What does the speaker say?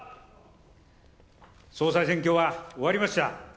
総裁選挙は終わりました。